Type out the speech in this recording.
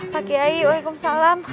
pak kiai waalaikumsalam